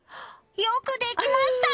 よくできました！